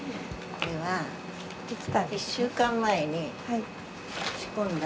これは１週間前に仕込んだ。